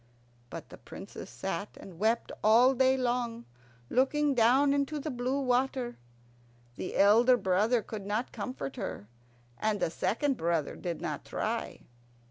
But the Princess sat and wept all day long, looking down into the blue water. The elder brother could not comfort her, and the second brother did not try.